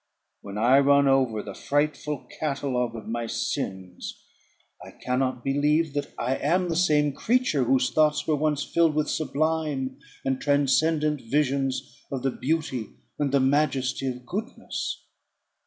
When I run over the frightful catalogue of my sins, I cannot believe that I am the same creature whose thoughts were once filled with sublime and transcendent visions of the beauty and the majesty of goodness.